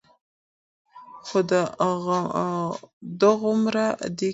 خو دغومره دې کوي،